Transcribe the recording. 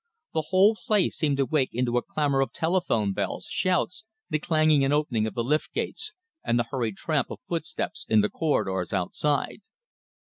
The whole place seemed to wake into a clamour of telephone bells, shouts, the clanging and opening of the lift gates, and the hurried tramp of footsteps in the corridors outside.